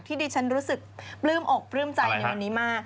ดิฉันรู้สึกปลื้มอกปลื้มใจในวันนี้มาก